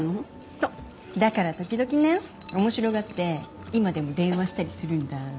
そうだからときどきね面白がって今でも電話したりするんだ